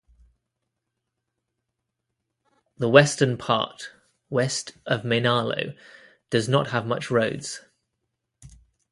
The western part west of Mainalo does not have much roads.